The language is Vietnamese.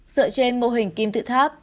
dựa trên mô hình kim tự tháp